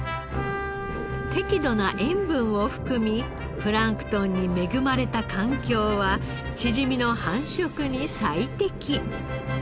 適度な塩分を含みプランクトンに恵まれた環境はしじみの繁殖に最適。